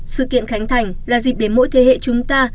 sự kiện khánh thành là dịp để mỗi thế hệ chúng ta